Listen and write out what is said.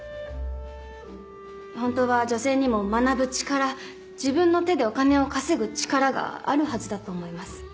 本当は女性にも学ぶ力自分の手でお金を稼ぐ力があるはずだと思います。